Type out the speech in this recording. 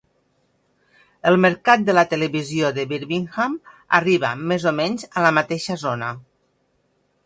El mercat de la televisió de Birmingham arriba més o menys a la mateixa zona.